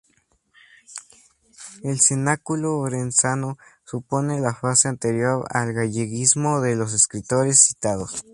El cenáculo orensano supone la fase anterior al galleguismo de los escritores citados.